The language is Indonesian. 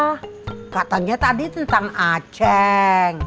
oh katanya tadi tentang aceh